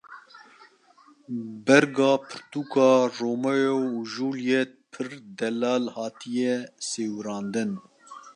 Berga pirtûka Romeo û Julîet a pir delal hatiye sêwirandin.